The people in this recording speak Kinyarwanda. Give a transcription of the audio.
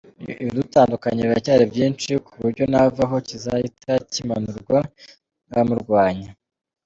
Ibidutandukanya biracyari byinshi kuburyo navaho kizahita kimanurwa n'abamurwanya.